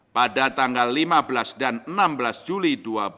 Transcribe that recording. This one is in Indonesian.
pada tanggal lima belas dan enam belas juli dua ribu dua puluh